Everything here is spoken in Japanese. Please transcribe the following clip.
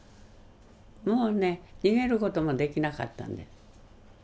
もうね逃げる事もできなかったんです。